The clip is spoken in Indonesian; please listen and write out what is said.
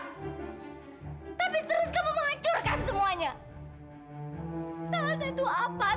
kamu telah memberikan harapan kepada saya untuk ketemu dengan taufan